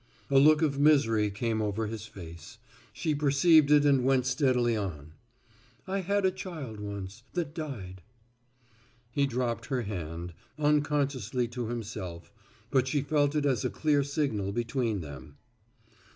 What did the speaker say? A look of misery came over his face. She perceived it and went steadily on. "I had a child once that died." He dropped her hand, unconsciously to himself, but she felt it as a clear signal between them.